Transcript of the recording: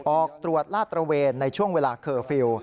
ออกตรวจลาดตระเวนในช่วงเวลาเคอร์ฟิลล์